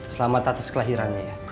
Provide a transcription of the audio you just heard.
selamat atas kelahirannya ya